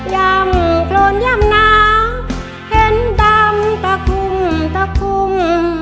ย่ำโครนย่ำหนาวเห็นตำตะคุ่มตะคุ่ม